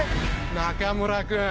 中村君。